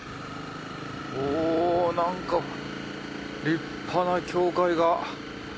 お何か立派な教会が。